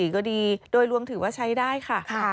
ก็ดีโดยรวมถือว่าใช้ได้ค่ะ